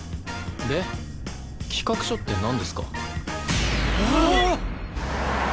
で企画書ってなんですか？